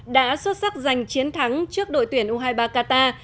đã xuất sắc giành chiến thắng trước đội tuyển u hai mươi ba qatar